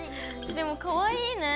でもかわいいね！